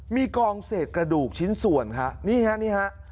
มีกองเศษกระดูกชิ้นส่วนครับนี่ฮะนี่ฮะ